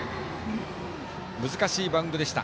難しいバウンドでした。